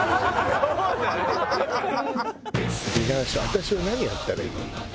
私は何やったらいい？